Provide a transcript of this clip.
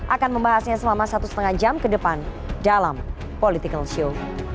akan membahasnya selama satu lima jam ke depan dalam political show